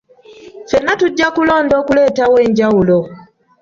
Ffenna tujja kulonda okuleetawo enjawulo.